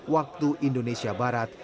waktu indonesia barat